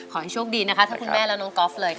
ขอให้โชคดีนะคะทั้งคุณแม่และน้องก๊อฟเลยค่ะ